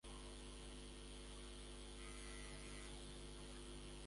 Peñembojápy.